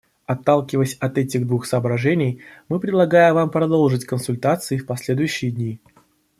Отталкиваясь от этих двух соображений, мы предлагаем Вам продолжить консультации в последующие дни.